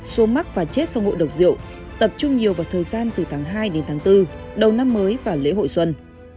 số mắc và chết do ngộ độc rượu tập trung nhiều vào thời gian từ tháng hai đến tháng bốn đầu năm mới và lễ hội xuân